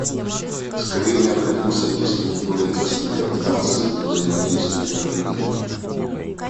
Скорее, необходимо содействовать более тесной координации и взаимодействию между ними.